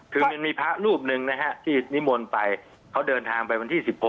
คือมันมีพระรูปหนึ่งนะฮะที่นิมนต์ไปเขาเดินทางไปวันที่๑๖